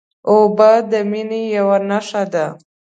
اوبه د مینې یوه نښه ده.